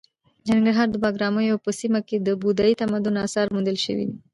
د ننګرهار د بګراميو په سیمه کې د بودايي تمدن اثار موندل شوي دي.